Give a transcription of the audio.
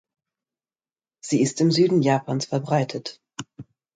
Sie ist im Süden Japans verbreitet.